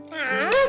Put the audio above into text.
ma kamu betul ah